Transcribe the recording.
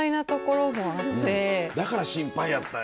だから心配やったんや。